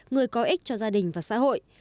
người có ích cho gia đình và xã hội